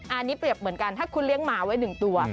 อันนี้เปรียบเหมือนกันถ้าคุณเลี้ยงหมาไว้๑ตัว